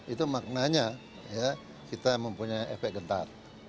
itu maknanya kita mempunyai efek gentar